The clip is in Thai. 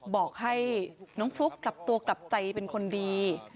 บอกให้น้องฟลุ๊กกลับตัวกลับใจเป็นคนดี